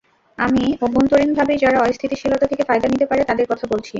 আমি অভ্যন্তরীণভাবেই যারা অস্থিতিশীলতা থেকে ফায়দা নিতে পারে, তাদের কথা বলছি।